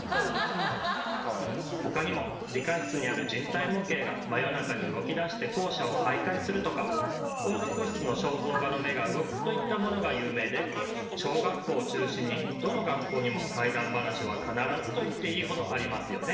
他にも理科室にある人体模型が真夜中に動きだして校舎を徘徊するとか音楽室の肖像画の目が動くといったものが有名で小学校を中心にどの学校にも「怪談ばなし」は必ずと言っていいほどありますよね。